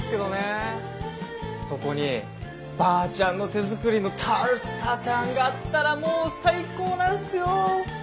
そこにばあちゃんの手作りのタルトタタンがあったらもう最高なんすよ。